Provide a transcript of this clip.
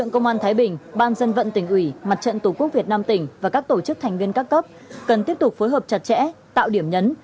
công tác dân tiếp tục phối hợp chặt chẽ tạo điểm nhấn